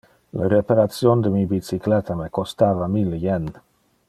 Le reparation de mi bicycletta me costava mille yen.